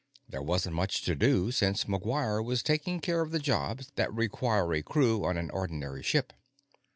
There wasn't much to do, since McGuire was taking care of the jobs that require a crew on an ordinary ship.